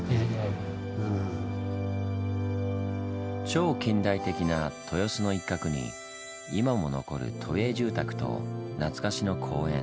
超近代的な豊洲の一角に今も残る都営住宅と懐かしの公園。